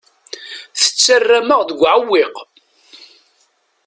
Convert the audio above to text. Tettarram-aɣ deg uɛewwiq.